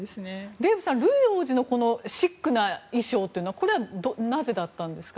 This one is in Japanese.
デーブさん、ルイ王子のシックな衣装はなぜだったんですか？